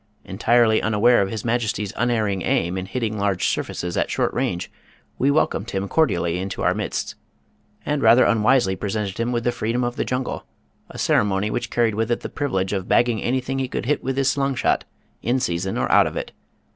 Entirely unaware of His Majesty's unerring aim in hitting large surfaces at short range, we welcomed him cordially to our midst, and rather unwisely presented him with the freedom of the jungle, a ceremony which carried with it the privilege of bagging anything he could hit with his slungshot, in season or out of it.